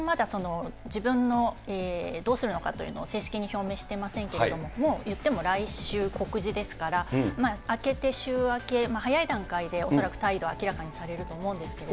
石破さんまだ、自分のどうするのかというのを正式に表明してませんけれども、もう、いっても来週告示ですから、明けて週明け、早い段階で恐らく、態度を明らかにされると思うんですけれども。